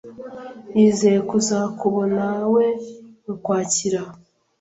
yizeye kuzakubonawe mu Kwakira.